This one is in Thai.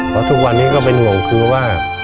เพราะทุกวันนี้ก็เป็นห่วงคือว่า